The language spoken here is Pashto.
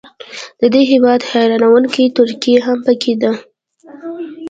د دې هیواد حیرانوونکې ترقي هم پکې ده.